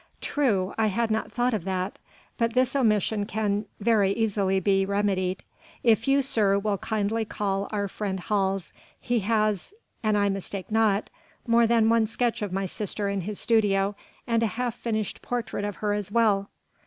"True, I had not thought of that. But this omission can very easily be remedied ... if you, sir, will kindly call our friend Hals; he has, an I mistake not, more than one sketch of my sister in his studio and a half finished portrait of her as well."